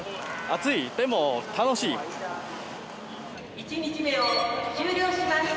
１日目を終了します。